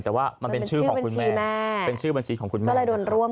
แต่ว่ามันเป็นชื่อของคุณแม่เป็นชื่อบัญชีของคุณแม่ก็เลยโดนร่วม